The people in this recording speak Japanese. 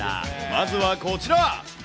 まずはこちら。